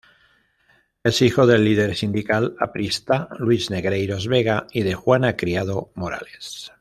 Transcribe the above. Es hijo del líder sindical aprista, Luis Negreiros Vega, y de Juana Criado Morales.